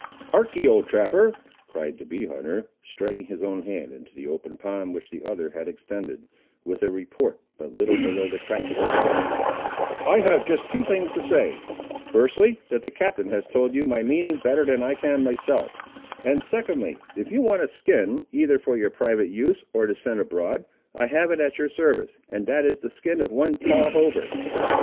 "Harkee, old trapper," cried the bee hunter, striking his own hand into the open palm which the other had extended, with a report but little below the crack of a rifle, "I have just two things to say—Firstly, that the Captain has told you my meaning better than I can myself; and, secondly, if you want a skin, either for your private use or to send abroad, I have it at your service, and that is the skin of one Paul Hover."